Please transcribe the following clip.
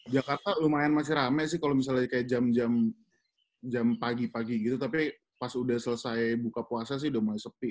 jakarta lumayan masih rame sih kalau misalnya kayak jam jam pagi pagi gitu tapi pas udah selesai buka puasa sih udah mulai sepi